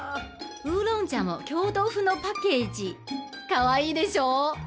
ウーロン茶も京都風のパッケージかわいいでしょ？